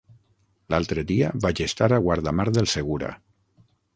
L'altre dia vaig estar a Guardamar del Segura.